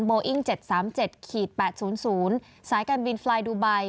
บออิงเจ็ดสามเจ็ดขีดแปดศูนย์ศูนย์สายการบินไฟล์ดูไบ